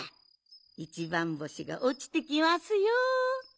いちばんぼしがおちてきますよ。